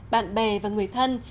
bạn bè và người thân